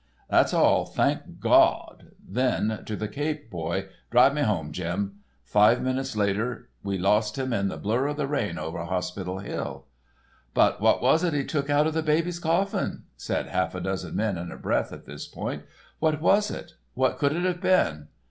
'That's all, thank Gawd.' Then to the Cape boy: 'Drive her home, Jim.' Five minutes later we lost him in the blur of the rain over Hospital Hill." "But what was it he took out of the baby's coffin?" said half a dozen men in a breath at this point. "What was it? What could it have been?"